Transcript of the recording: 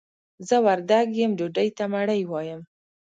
زه وردګ يم ډوډۍ ته مړۍ وايم.